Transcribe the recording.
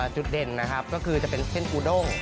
จุดเด่นนะครับก็คือจะเป็นเส้นปูด้ง